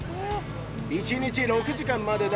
１日６時間までだ。